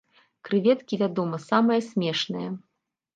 Крэветкі, вядома, самае смешнае.